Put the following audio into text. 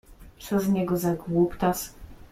Co z niego za głuptas.